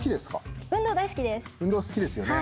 運動好きですよね